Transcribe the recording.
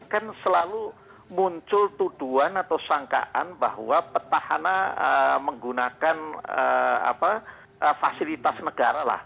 kan selalu muncul tuduhan atau sangkaan bahwa petahana menggunakan fasilitas negara lah